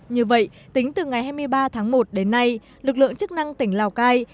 như vậy tính từ ngày hai mươi ba tháng một đến nay lực lượng chức năng tỉnh lào cai